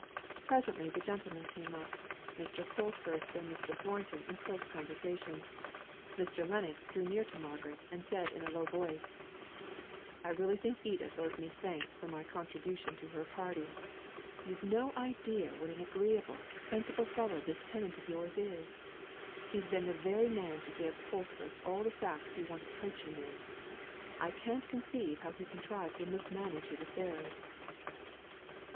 Presently the gentlemen came up, Mr. Colthurst and Mr. Thornton in close conversation. Mr. Lennox drew near to Margaret, and said in a low voice: "I really think Edith owes me thanks for my contribution to her party. You've no idea what an agreeable, sensible fellow this tenant of yours is. He has been the very man to give Colthurst all the facts he wanted coaching in. I can't conceive how he contrived to mismanage his affairs."